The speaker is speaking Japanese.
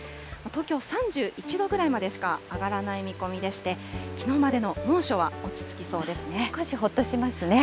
東京３１度ぐらいまでしか上がらない見込みでして、きのうまでの少しほっとしますね。